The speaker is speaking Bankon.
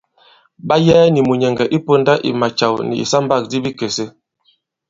Ɓa yɛɛ nì mùnyɛ̀ŋgɛ̀ inyū ponda i macàw nì ìsambâkdi bikèse.